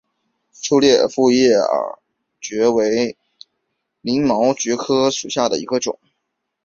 粗裂复叶耳蕨为鳞毛蕨科复叶耳蕨属下的一个种。